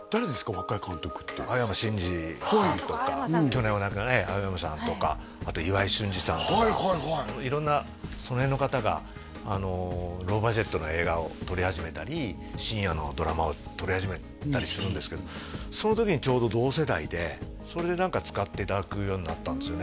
若い監督って青山真治さんとか去年お亡くなりに青山さんとかあと岩井俊二さんとかはいはいはい色んなその辺の方がローバジェットの映画を撮り始めたり深夜のドラマを撮り始めたりするんですけどその時にちょうど同世代でそれで何か使っていただくようになったんですよね